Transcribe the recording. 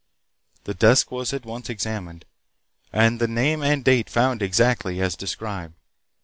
The desk was at once examined, and the name and date found exactly as described.